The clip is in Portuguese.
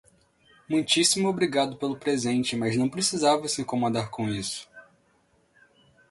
Muitíssimo obrigado pelo presente, mas não precisava se incomodar com isso.